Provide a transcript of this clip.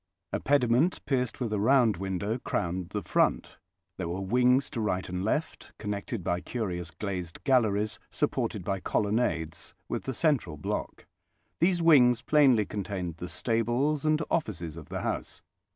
A pediment, pierced with a round window, crowned the front. There were wings to right and left, connected by curious glazed galleries, supported by colonnades, with the central block. These wings plainly contained the stables and offices of the house.